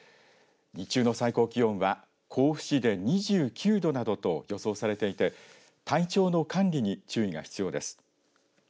日中の最高気温は甲府市で２９度などと予想されていて体調の管理に注意が必要です。